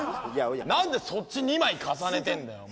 何でそっち２枚重ねてんだよ。